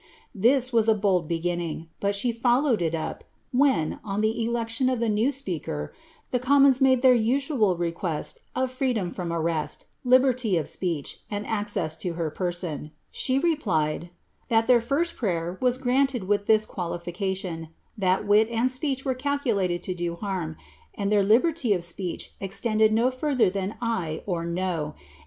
^ This was a bold beginning, but ihe followed it up, when, on the election of the new speaker, the com WNis made their usual request of freedom from arrest, liberty of speech, nd access to her person, she replied, ^that their first prayer was nmnted with this qualification, that wit and speech were calculated to to harm, and their liberty of speech extended no further tlian < ay' or ' Journals of Parliament.